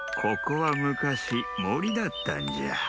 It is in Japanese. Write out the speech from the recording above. ここはむかしもりだったんじゃ。